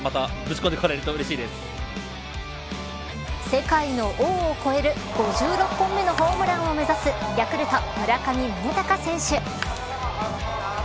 世界の王を超える５６本目のホームランを目指すヤクルト村上宗隆選手。